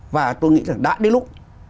và tôi nghĩ rằng đã đến lúc